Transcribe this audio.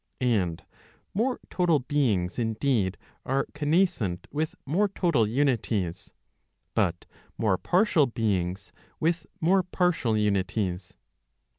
And more total beings indeed are connas¬ cent with more total unities; but more partial beings with more partial unities.